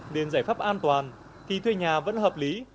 nên giải pháp an toàn thì thuê nhà vẫn hợp lý